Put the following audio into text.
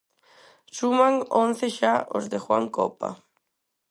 Suman once xa os de Juan Copa.